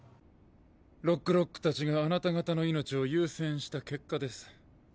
ロックロック達があなた方の命を優先した結果です。